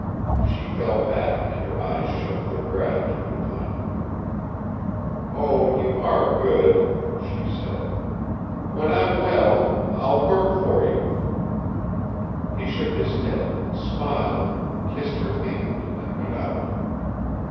She fell back and her eyes shone their gratitude upon him. "Oh, you are good!" she said. "When I'm well I'll work for you!" He shook his head, smiled, kissed her hand, and went out.